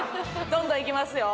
どんどんいきますよ。